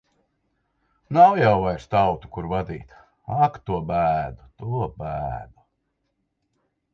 Nav jau vairs tautu, kur vadīt. Ak, to bēdu! To bēdu!